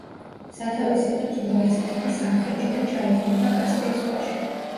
სათავეს იღებს ურალის მთების სამხრეთში და ჩაედინება კასპიის ზღვაში.